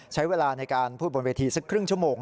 ใช้เวลาในการพูดบนเวทีสักครึ่งชั่วโมง